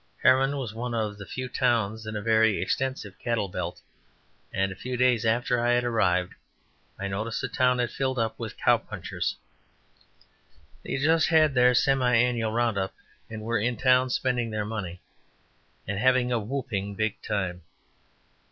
Herron was one of the few towns in a very extensive cattle belt, and a few days after I had arrived I noticed the town had filled up with "cow punchers." They had just had their semi annual round up, and were in town spending their money and having a whooping big time.